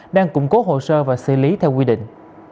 đang củng cố hồ sơ và xử lý theo quy định